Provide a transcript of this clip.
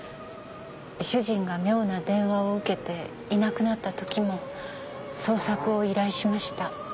主人が妙な電話を受けていなくなった時も捜索を依頼しました。